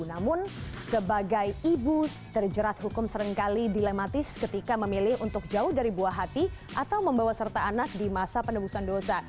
namun sebagai ibu terjerat hukum seringkali dilematis ketika memilih untuk jauh dari buah hati atau membawa serta anak di masa penebusan dosa